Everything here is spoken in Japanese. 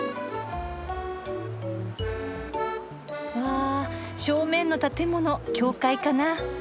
あ正面の建物教会かな。